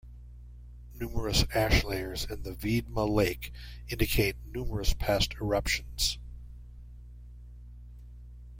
Numerous ash layers in the Viedma lake indicate numerous past eruptions.